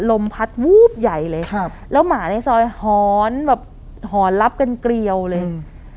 ลมพัดวูบใหญ่เลยครับแล้วหมาในซอยหอนแบบหอนรับกันเกลียวเลยอืม